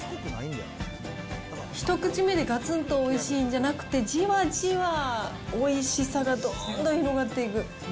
ひと口目でがつんとおいしいんじゃなくて、じわじわおいしさがどんどん広がっていく。